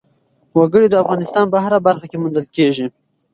وګړي د افغانستان په هره برخه کې موندل کېږي.